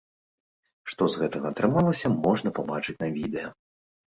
Што з гэтага атрымалася, можна пабачыць на відэа.